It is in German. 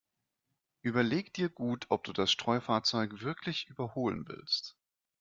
Überlege dir gut, ob du das Streufahrzeug wirklich überholen willst.